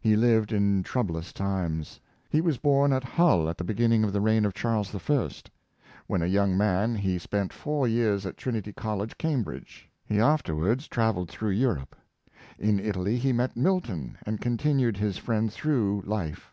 He lived in troublous times. He was born at Hull at the beginning of the reign of Charles I. When a young man, he spent four years at Trinity College^ Cambridge. He afterwards traveled through Europe, In Italy he met Milton, and continued his friend through life.